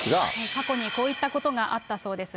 過去にこういったことがあったそうです。